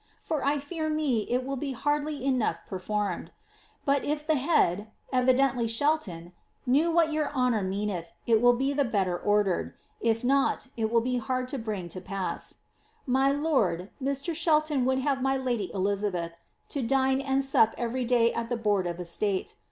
For I fear me it will be hardly enough performed. But if the head (evidently Shel 'jc^t.) kneu' what honour raeaneth, it will be the better ordered — if not, it will be hard to bring to pass. '• >(y lord, Mr. S^helton would have my lady Elizabeth to dine and sup every <iiiy at the board of estate.